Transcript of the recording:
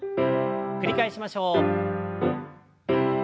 繰り返しましょう。